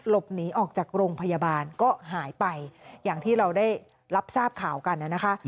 หลบหนีออกจากโรงพยาบาลก็หายไปอย่างที่เราได้รับทราบข่าวกันนะคะ